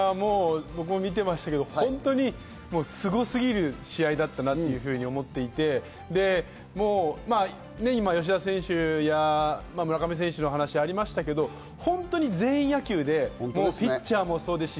僕も見てましたけど、本当にスゴすぎる試合だったなと思っていて、今、吉田選手や村上選手の話ありましたけど、本当に全員野球でピッチャーもそうですし、